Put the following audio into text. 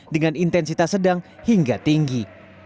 dengan intensitas sedang hingga tinggi